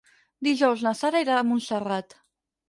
Dijous na Sara irà a Montserrat.